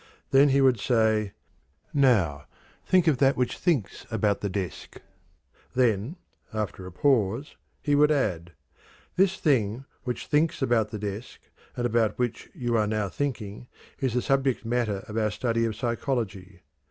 Then he would say, "Now think of that which thinks about the desk." Then, after a pause, he would add, "This thing which thinks about the desk, and about which you are now thinking, is the subject matter of our study of psychology."